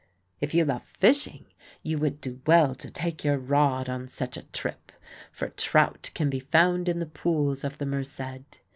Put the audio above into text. If you love fishing, you would do well to take your rod on such a trip, for trout can be found in the pools of the Merced.